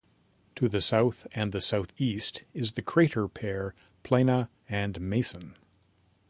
To the south and southeast is the crater pair Plana and Mason.